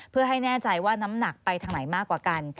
เพื่อให้แน่ใจว่าน้ำหนักไปทางไหนมากกว่ากัน